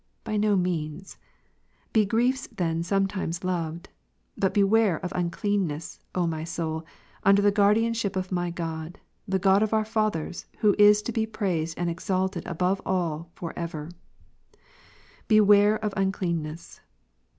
by no means. Be griefs then sometimesloved. Butbewareofuncleanness, Omysoul, under the guardianship of my God, the God of our fathers, tvho is to bejjraised and exalted above all for ever, beware of uncleanness.